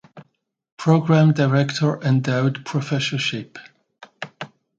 Program Director endowed professorship.